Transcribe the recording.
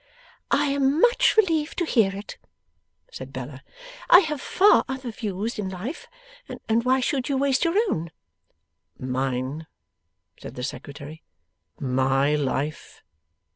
'I am much relieved to hear it,' said Bella. 'I have far other views in life, and why should you waste your own?' 'Mine!' said the Secretary. 'My life!